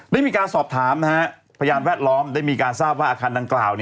ได้มีการสอบถามพยานแวดล้อมได้มีการทราบว่าอาคารดังกล่าว